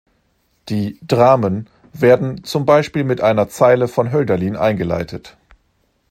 Die „Dramen“ werden zum Beispiel mit einer Zeile von Hölderlin eingeleitet.